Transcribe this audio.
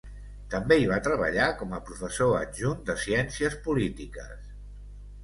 També hi va treballar com a professor adjunt de ciències polítiques.